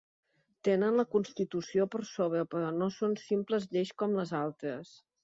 Tenen la constitució per sobre, però no són simples lleis com les altres.